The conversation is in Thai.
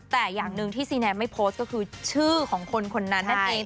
แต่อย่างหนึ่งที่ซีแนมไม่โพสต์ก็คือชื่อของคนคนนั้นนั่นเอง